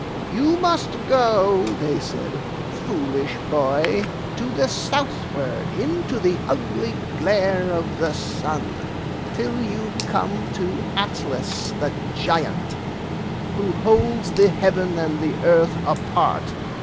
'You must go,' they said, 'foolish boy, to the southward, into the ugly glare of the sun, till you come to Atlas the Giant, who holds the heaven and the earth apart.